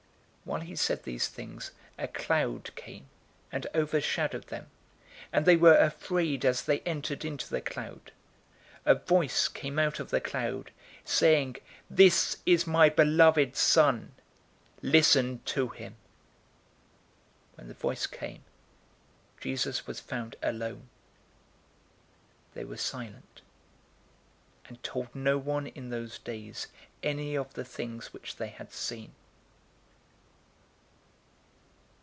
009:034 While he said these things, a cloud came and overshadowed them, and they were afraid as they entered into the cloud. 009:035 A voice came out of the cloud, saying, "This is my beloved Son. Listen to him!" 009:036 When the voice came, Jesus was found alone. They were silent, and told no one in those days any of the things which they had seen.